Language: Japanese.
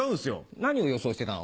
何を予想してたの？